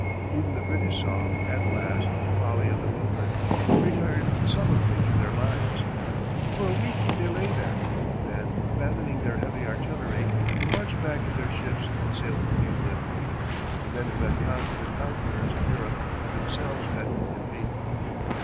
Even the British saw, at last, the folly of the movement, and retired sullenly to their lines. For a week they lay there; then, abandoning their heavy artillery, they marched back to their ships and sailed for England. The men who had conquered the conquerors of Europe had themselves met defeat.